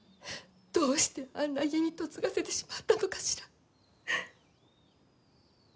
どうしてあんな家に嫁がせてしまったのかしら。